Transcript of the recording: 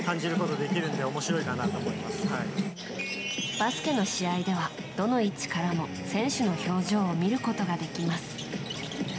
バスケの試合ではどの位置からも選手の表情を見ることができます。